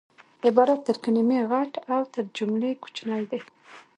عبارت تر کلیمې غټ او تر جملې کوچنی دئ